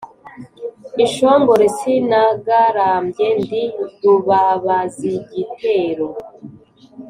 inshongore sinagarambye ndi rubabazigitero